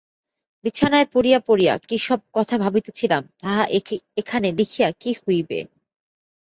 বিছানায় পড়িয়া পড়িয়া কী-সব কথা ভাবিতেছিলাম তাহা এখানে লিখিয়া কী হইবে।